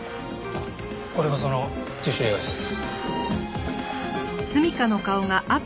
これがその自主映画です。